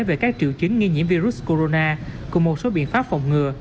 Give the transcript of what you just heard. về các triệu chứng nghi nhiễm virus corona cùng một số biện pháp phòng ngừa